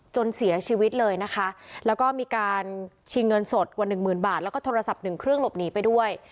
จนเสียชีวิตเลยนะคะแล้วก็มีการชิงเงินสดกว่าหนึ่งหมื่นบาทแล้วก็โทรศัพท์หนึ่งเครื่องหลบหนีไปด้วย